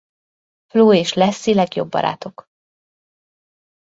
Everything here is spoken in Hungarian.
Flo és Lassie legjobb barátok.